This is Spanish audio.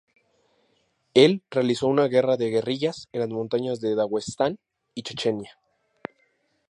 Él realizó una guerra de guerrillas en las montañas de Daguestán y Chechenia.